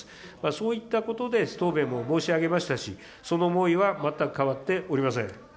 そういったことで答弁も申し上げましたし、その思いは全く変わっておりません。